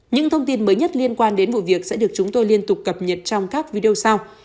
những thông tin mới nhất liên quan đến vụ việc sẽ được chúng tôi liên tục cập nhật trong các video sau